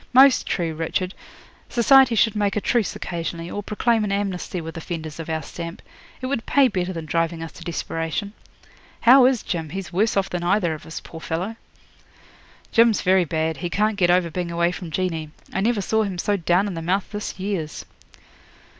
'Most true, Richard. Society should make a truce occasionally, or proclaim an amnesty with offenders of our stamp. It would pay better than driving us to desperation. How is Jim? He's worse off than either of us, poor fellow.' 'Jim's very bad. He can't get over being away from Jeanie. I never saw him so down in the mouth this years.'